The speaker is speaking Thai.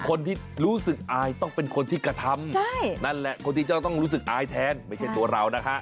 คนที่รู้สึกอายต้องเป็นคนที่กระทำนั่นแหละคนที่จะต้องรู้สึกอายแทนไม่ใช่ตัวเรานะฮะ